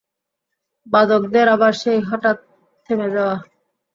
বাদকদের আবার সেই হঠাৎ থেমে যাওয়া।